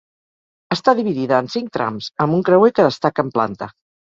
Està dividida en cinc trams, amb un creuer que destaca en planta.